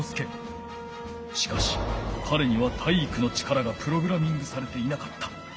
しかしかれには体育の力がプログラミングされていなかった。